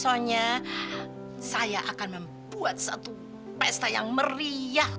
soalnya saya akan membuat satu pesta yang meriah